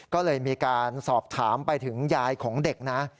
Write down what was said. ก็เลยมีการสอบถามไปถึงยายของเด็กนะ